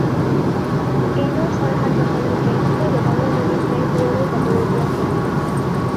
এইবাৰ ছয়-সাত মাহলৈকে তেওঁ বেপাৰৰ নিমিত্তে দূৰলৈ যাব লগীয়াত পৰিল।